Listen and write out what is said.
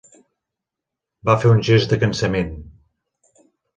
Va fer un gest de cansament.